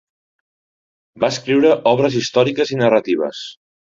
Va escriure obres històriques i narratives.